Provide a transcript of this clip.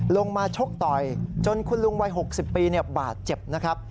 ชกต่อยจนคุณลุงวัย๖๐ปีบาดเจ็บนะครับ